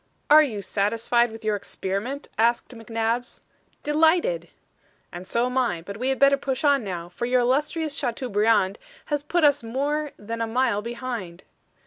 "Are you satisfied with your experiment?" asked McNabbs. "Delighted." "And so am I. But we had better push on now, for your illustrious Chateaubriand has put us more than a mile behind."